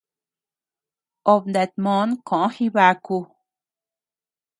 Obe nata mòn koʼo Jibaku.